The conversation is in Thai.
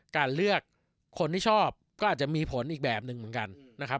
การเลือกคนที่ชอบก็อาจจะมีผลอีกแบบหนึ่งเหมือนกันนะครับ